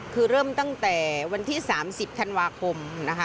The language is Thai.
คือเริ่มตั้งแต่วันที่๓๐ธันวาคมนะคะ